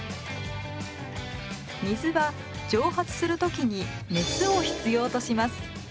水は蒸発する時に熱を必要とします。